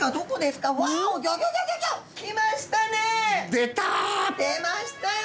出ましたよ